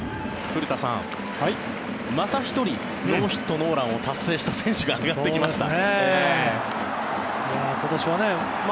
古田さん、また１人ノーヒット・ノーランを達成した選手が上がってきました。